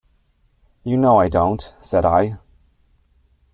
"You know I don't," said I.